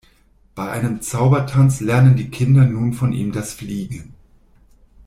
Bei einem Zauber-Tanz lernen die Kinder nun von ihm das Fliegen.